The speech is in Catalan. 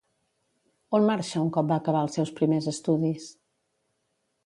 On marxa un cop va acabar els seus primers estudis?